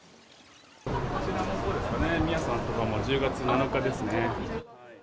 こちらもそうですね、皆さん、１０月７日ですね。